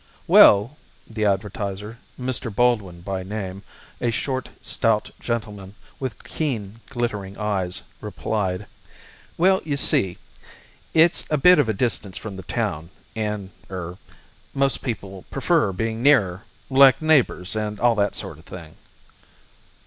"Well," the advertiser Mr. Baldwin by name, a short, stout gentleman, with keen, glittering eyes replied, "Well, you see, it's a bit of a distance from the town, and er most people prefer being nearer like neighbours and all that sort of thing."